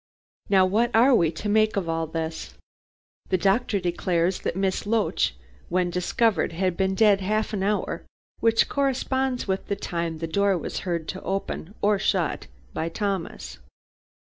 "Now what are we to make of all this? The doctor declares that Miss Loach when discovered had been dead half an hour, which corresponds with the time the door was heard to open or shut by Thomas.